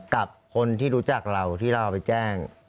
กับคนที่รู้จักเราที่เราเอาไปแจ้ง